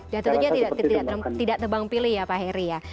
tentunya tidak tebang pilih ya pak heri ya